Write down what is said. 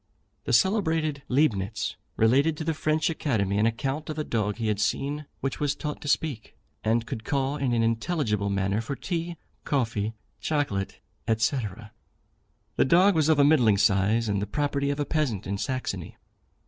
The celebrated Leibnitz related to the French Academy an account of a dog he had seen which was taught to speak, and could call in an intelligible manner for tea, coffee, chocolate, &c. The dog was of a middling size, and the property of a peasant in Saxony.